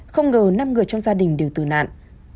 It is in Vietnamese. không ngờ năm người trong gia đình đều tử nạn